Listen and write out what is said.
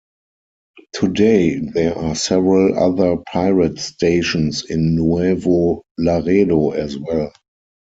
Today, there are several other pirate stations in Nuevo Laredo as well.